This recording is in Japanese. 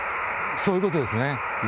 そういうことですね。